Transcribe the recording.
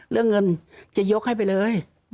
เรื่องเงินจะยกให้ไปเลย